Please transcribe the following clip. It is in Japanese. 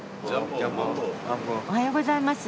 おはようございます。